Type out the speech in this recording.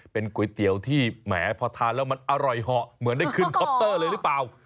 เป็นก๋วยเตี๋ยวที่แหมพอทานแล้วมันอร่อยเหาะเหมือนได้ขึ้นคอปเตอร์เลยหรือเปล่า